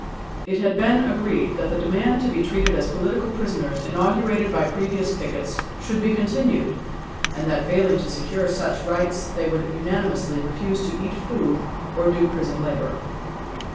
It had been agreed that the demand to be treated as political prisoners, inaugurated by previous pickets, should be continued, and that failing to secure such rights they would unanimously refuse to eat food or do prison labor.